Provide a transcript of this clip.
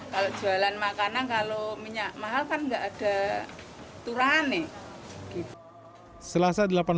kalau jualan makanan kalau minyak mahal kan nggak ada turahan nih